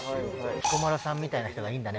ひこまろさんみたいな人がいるんだね。